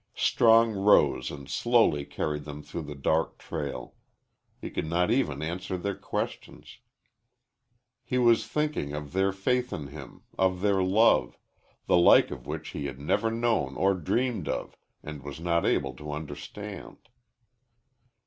Strong rose and slowly carried them through the dark trail. He could not even answer their questions. He. was thinking of their faith in him of their love, the like of which he had never known or dreamed of and was not able to understand.